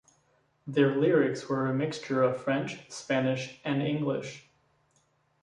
Their lyrics were mixture of French, Spanish and English.